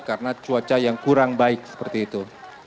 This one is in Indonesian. karena cuaca yang kurang baik seperti itu